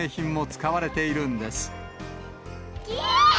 きれい！